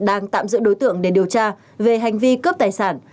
đang tạm giữ đối tượng để điều tra về hành vi cướp tài sản